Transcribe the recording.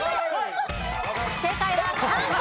正解は３個。